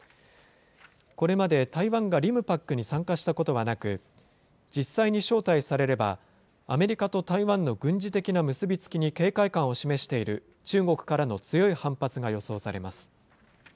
これまで台湾がリムパックに参加したことはなく、実際に招待されれば、アメリカと台湾の軍事的な結び付きに警戒感を示している中国からの強い反発が予想されます。